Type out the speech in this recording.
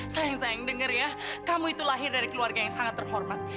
sayang sayang dengar ya kamu itu lahir dari keluarga yang sangat terhormat